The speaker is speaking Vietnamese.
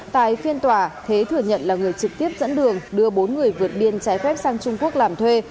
tại phiên tòa thế thừa nhận là người trực tiếp dẫn đường đưa bốn người vượt biên trái phép sang trung quốc làm thuê